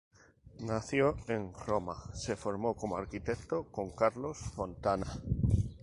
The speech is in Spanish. Nacido en Roma, se formó como arquitecto con Carlo Fontana.